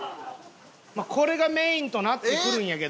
まあこれがメインとなってくるんやけども。